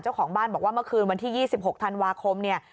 เจ้าของบ้านบอกว่าเมื่อคืนวันที่๒๖ธันวาคมเนี่ย